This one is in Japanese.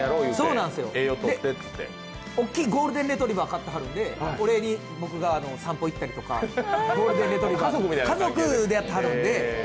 大きいゴールデンレトリーバー飼ってはるんで散歩行ったりとか、家族でやってはるんで。